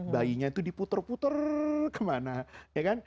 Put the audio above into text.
bayinya itu diputer puter kemana ya kan